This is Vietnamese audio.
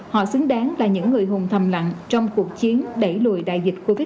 họ xứng đáng là những người hùng thầm lặng trong cuộc chiến đẩy lùi đại dịch covid một mươi chín